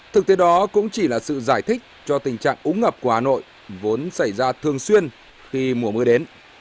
thực tế đó cũng chỉ là sự giải thích cho tình trạng ống ngập của hà nội vốn xảy ra thường xuyên khi mùa mưa đến